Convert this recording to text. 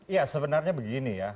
ya sebenarnya begini ya